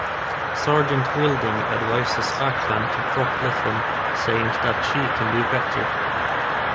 Sergeant Wilding advises Ackland to drop Litten, saying that she can do better.